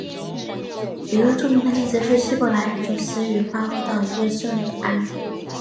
一个最著名的例子是希伯来语从死语恢复到以色列人日常用语的案例。